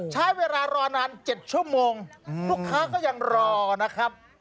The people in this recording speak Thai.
ใช้เวลารอนาน๗ชั่วโมงลูกค้าก็ยังรอนะครับ